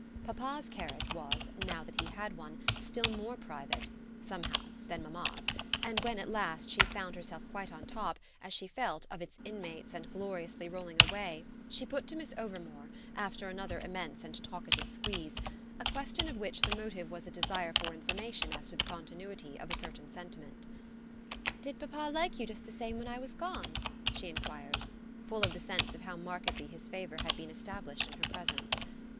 Papa's carriage was, now that he had one, still more private, somehow, than mamma's; and when at last she found herself quite on top, as she felt, of its inmates and gloriously rolling away, she put to Miss Overmore, after another immense and talkative squeeze, a question of which the motive was a desire for information as to the continuity of a certain sentiment. "Did papa like you just the same while I was gone?" she enquired full of the sense of how markedly his favour had been established in her presence.